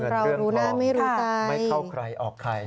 เรื่องเงินเรื่องของไม่เข้าใครออกใคร